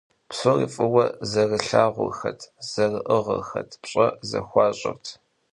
Псори фӀыуэ зэрылъагъухэрт, зэрыӀыгъхэт, пщӀэ зэхуащӀырт.